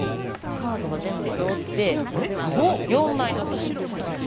カードが全部そろって、４枚のキングがいます。